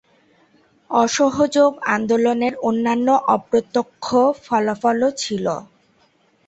অসহযোগ আন্দোলনের অন্যান্য অপ্রত্যক্ষ ফলাফলও ছিল।